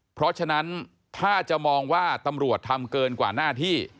เพราะฉะนั้นถ้าจะมองว่าตำรวจทำเกินกว่าหน้าที่